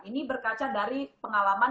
ini berkaca dari pengalaman